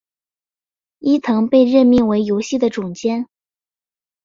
伊藤被任命为游戏的总监。